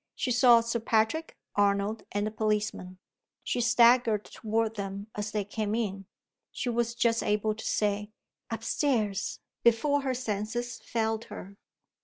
She saw Sir Patrick, Arnold, and the policeman. She staggered toward them as they came in she was just able to say, "Up stairs!" before her senses failed her.